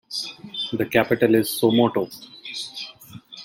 The capital is Somoto.